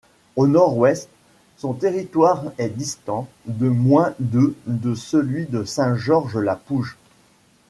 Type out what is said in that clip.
Au nord-ouest, son territoire est distant de moins de de celui de Saint-Georges-la-Pouge.